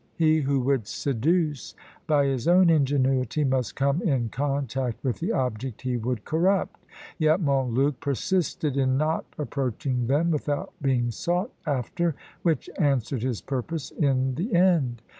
He who would seduce by his own ingenuity must come in contact with the object he would corrupt. Yet Montluc persisted in not approaching them without being sought after, which answered his purpose in the end.